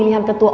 adi dan rifki